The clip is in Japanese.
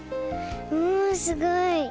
うんすごい。